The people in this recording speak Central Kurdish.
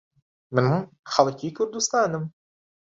من خەڵکی کوردستانم.